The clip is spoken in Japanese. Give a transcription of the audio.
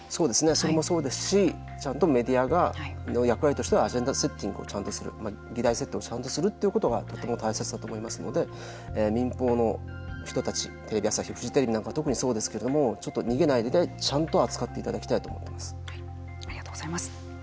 それもそうですしちゃんとメディアの役割としてはアジェンダセッティングをちゃんとする議題設定をちゃんとするということがとても大切だと思いますので民放の人たちテレビ朝日フジテレビなんかは特にそうですけれどもちょっと逃げないでちゃんと扱っていただきたいありがとうございます。